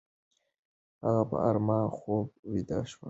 هغه په آرامه خوب ویده شو.